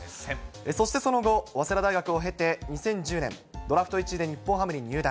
そしてその後、早稲田大学を経て、２０１０年、ドラフト１位で日本ハムに入団。